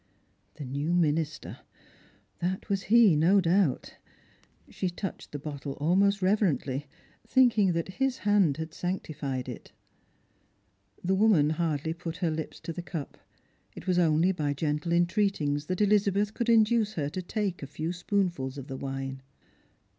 The new minister ; that was he, no doubt. She touched the bottle almost reverently, thinking that his hand had sanctified 310 Strangers and PilgrirM. it. The woman hardly put her lips to the cup ; it was only by gentle entveatings that Elizabeth could induce her to take a few spoonfuls of the wine.